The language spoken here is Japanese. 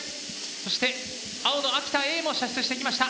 そして青の秋田Ａも射出していきました。